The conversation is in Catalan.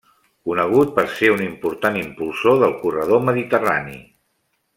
Conegut per ser un important impulsor del Corredor Mediterrani.